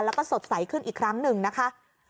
แล้วก็สดใสขึ้นอีกครั้งหนึ่งนะคะ